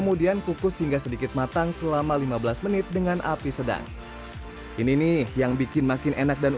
manis manisnya juga ada